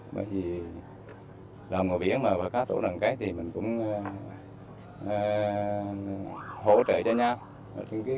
bởi vì đoàn ngồi biển và các tổ đội tàu đoàn kết thì mình cũng hỗ trợ cho nhau